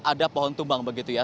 ada pohon tumbang begitu ya